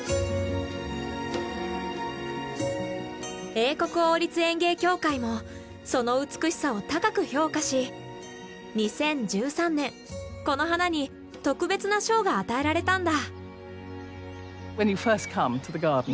英国王立園芸協会もその美しさを高く評価し２０１３年この花に特別な賞が与えられたんだ。